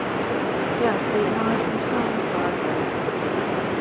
Jāiztīra māja, pirms mamma pārbrauc.